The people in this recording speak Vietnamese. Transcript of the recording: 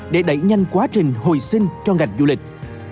để đẩy nhanh quá trình hồi sinh cho ngành du lịch